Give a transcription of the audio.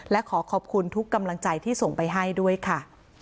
และขอขอบคุณทุกกำลังใจที่ส่งไปให้ด้วยค่ะ